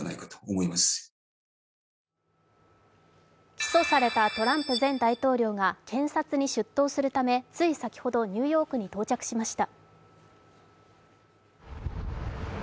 起訴されたトランプ前大統領が検察に出頭するためつい先ほどニューヨークに到着しました。